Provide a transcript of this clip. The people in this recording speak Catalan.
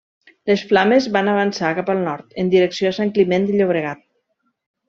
Les flames van avançar cap al nord, en direcció a Sant Climent de Llobregat.